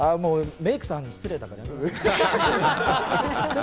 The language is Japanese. メイクさんに失礼だから。